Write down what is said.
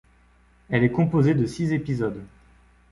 Elle est composée de six épisodes.